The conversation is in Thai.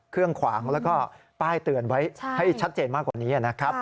เครื่องขวางแล้วก็ป้ายเตือนไว้ให้ชัดเจนมากกว่านี้นะครับ